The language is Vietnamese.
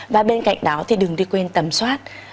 và bên cạnh đó thì đừng đi quên tầm soát